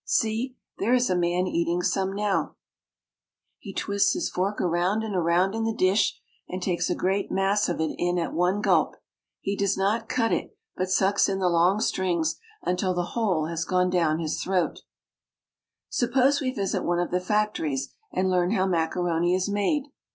See, there is a man eating some now ! He twists his fork around and around in the dish, and takes a great mass of it in at one gulp. He does not cut it, but sucks in the long strings until the whole has gone down his throat. Naples. Suppose we visit one of the factories and learn how macaroni is made.